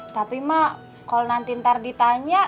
tapi mak kalau nanti ntar ditanya